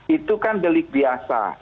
itu kan delik biasa